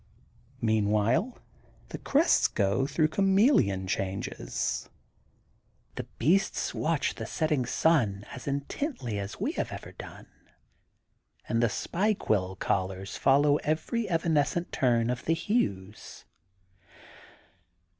Meanwhile, the crests go through chameleon changes. The beasts watch the setting sun as intently as we have ever done, and the spikequill collars follow every evanescent turn of the hues.